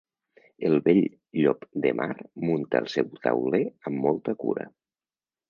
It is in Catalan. El vell llop de mar munta el seu tauler amb molta cura.